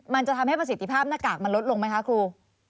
มันจะทำให้ประสิทธิภาพหน้ากากมันลดลงไหมคะครู